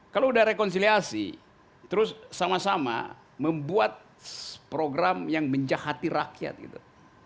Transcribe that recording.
kalau udah rekonsiliasi terus sama sama membuat program yang menjahati rakyat gitu